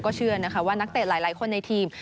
เชื่อนะคะว่านักเตะหลายคนในทีม